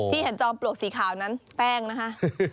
เห็นจอมปลวกสีขาวนั้นแป้งนะคะ